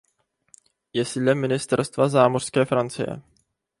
Je sídlem Ministerstva zámořské Francie.